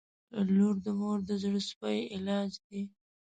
• لور د مور د زړسوي علاج دی.